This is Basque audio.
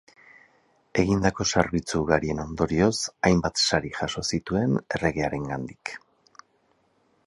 Egindako zerbitzu ugarien ondorioz hainbat sari jaso zituen erregearengandik.